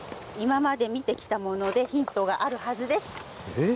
えっ？